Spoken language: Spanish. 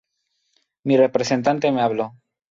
Mi representante me habló.